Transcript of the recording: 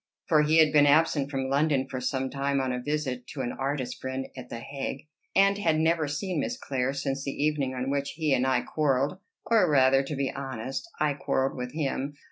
For he had been absent from London for some time on a visit to an artist friend at the Hague, and had never seen Miss Clare since the evening on which he and I quarrelled or rather, to be honest, I quarrelled with him.